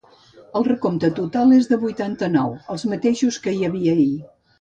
El recompte total és de vuitanta-nou, els mateixos que hi havia ahir.